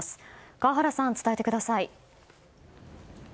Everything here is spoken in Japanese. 川原さん、伝えてください。